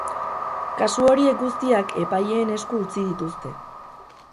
Kasu horiek guztiak epaileen esku utzi dituzte.